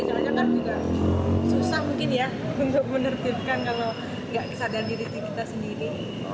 soalnya kan juga susah mungkin ya untuk menertibkan kalau nggak kesadaran diri kita sendiri